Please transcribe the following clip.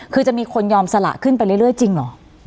คือจะมีคนยอมสละขึ้นไปเรื่อยจริงเหรอ